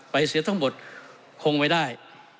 เสียทั้งหมดคงไม่ได้